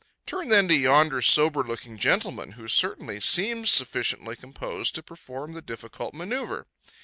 Turn then to yonder sober looking gentleman, who certainly seems sufficiently composed to perform the difficult manoeuvre.